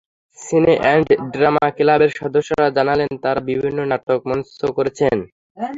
সিনে and drama ক্লাবের সদস্যরা জানালেন, তাঁরা বিভিন্ন নাটক মঞ্চস্থ করেছেন।